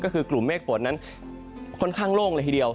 ก็คือกลุ่มเมฆฝนนั้นค่อนข้างโล่งเลยทีเดียว